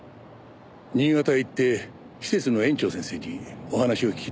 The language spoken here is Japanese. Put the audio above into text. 新潟へ行って施設の園長先生にお話を聞いてきました。